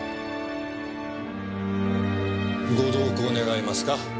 ご同行願えますか？